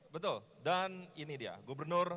betul dan ini dia gubernur